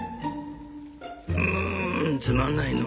「ウつまんないの。